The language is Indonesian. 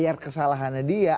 bayar kesalahannya dia